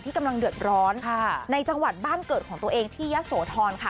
กำลังเดือดร้อนในจังหวัดบ้านเกิดของตัวเองที่ยะโสธรค่ะ